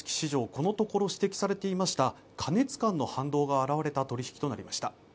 このところ指摘されていました過熱感の反動が表れた取引となりました。